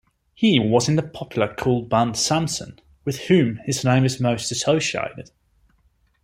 He was in the popular cult-band Samson, with whom his name is most associated.